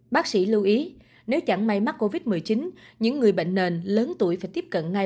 bác sĩ lưu ý nếu chẳng may mắc covid một mươi chín những người bệnh nền lớn tuổi phải tiếp cận ngay